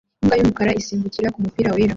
Imbwa yumukara isimbukira kumupira wera